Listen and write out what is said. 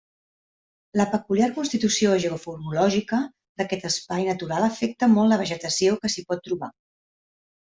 La peculiar constitució geomorfològica d'aquest espai natural afecta molt la vegetació que s'hi pot trobar.